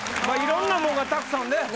まあいろんなもんがたくさんね。